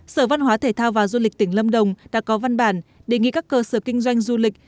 sở văn hóa thể thao và du lịch tỉnh lâm đồng đã có văn bản đề nghị các cơ sở kinh doanh du lịch